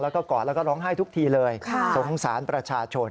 แล้วก็กอดแล้วก็ร้องไห้ทุกทีเลยสงสารประชาชน